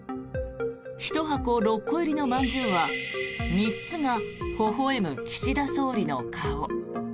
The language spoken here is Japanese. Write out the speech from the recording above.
１箱６個入りのまんじゅうは３つがほほ笑む岸田総理の顔。